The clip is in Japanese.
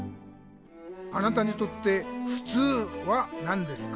あなたにとって「ふつう」は何ですか？